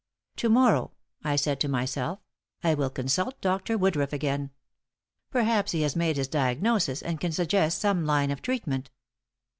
"To morrow," I said to myself, "I will consult Dr. Woodruff again. Perhaps he has made his diagnosis and can suggest some line of treatment."